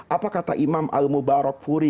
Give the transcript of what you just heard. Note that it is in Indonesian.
apa kata imam al mubarakfuri